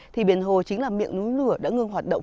thì biển hồ chính là miệng núi lửa đã ngưng hoạt động